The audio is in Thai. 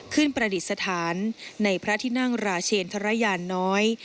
ขึ้นประดิษฐานในพระทินังราเชนทรยานน้อย